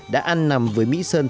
đã ăn nằm với mỹ sơn